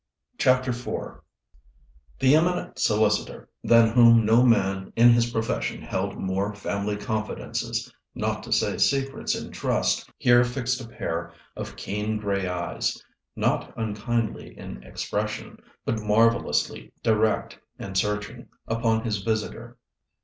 CHAPTER IV The eminent solicitor, than whom no man in his profession held more family confidences, not to say secrets in trust, here fixed a pair of keen grey eyes, not unkindly in expression, but marvellously direct and searching, upon his visitor.